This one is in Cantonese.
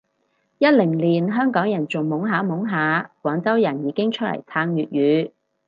一零年香港人仲懵下懵下，廣州人已經出嚟撐粵語